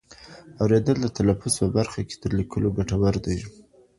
اورېدل د تلفظ په برخه کې تر لیکلو ګټور دي.